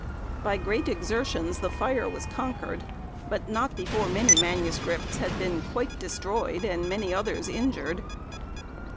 By great exertions the fire was conquered, but not before many MSS. had been quite destroyed and many others injured.